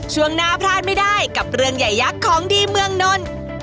ช่วงหน้าพลาดไม่ได้กับเรื่องใหญ่ยักษ์ของดีเมืองนนท์